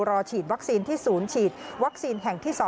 รอฉีดวัคซีนที่ศูนย์ฉีดวัคซีนแห่งที่๒